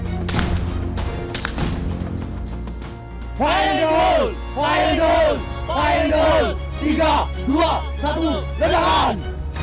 tiga dua satu kejahatan